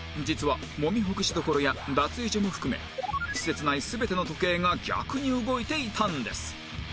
実は揉みほぐし処や脱衣所も含め施設内全ての時計が逆に動いていたんです